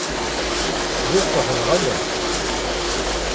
D sseḥ neɣ ala?